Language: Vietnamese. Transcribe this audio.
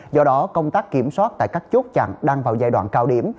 do đó công tác kiểm soát tại các chốt chặn đang vào giai đoạn cao điểm